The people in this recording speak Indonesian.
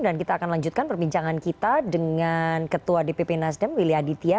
dan kita akan lanjutkan perbincangan kita dengan ketua dpp nasdem willy aditya